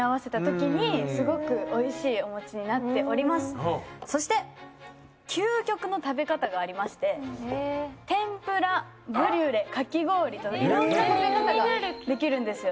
よりそして究極の食べ方がありまして天ぷらブリュレかき氷といろんな食べ方ができるんですよ。